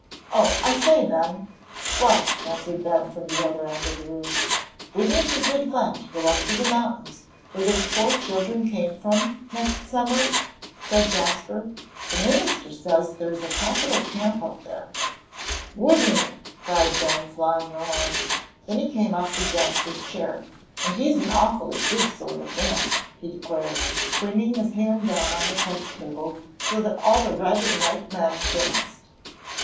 Oh, I say, Ben!" "What?" answered Ben, from the other end of the room. "Wouldn't it be good fun to go up to the mountains, where those poor children came from, next summer?" said Jasper. "That minister says there is a capital camp up there." "Wouldn't it!" cried Ben, flying around. Then he came up to Jasper's chair, "And he's an awfully good sort of man," he declared, bringing his hand down on the chess table so that all the red and white men danced.